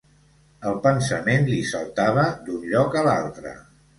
El pensament li saltava d’un lloc a l’altre